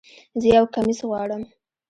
زه یو کمیس غواړم